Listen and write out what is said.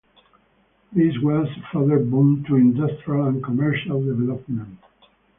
This was a further boon to industrial and commercial development.